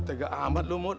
tegak amat lo mut